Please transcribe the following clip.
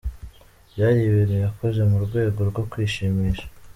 Byari ibintu yakoze mu rwego rwo kwishimisha.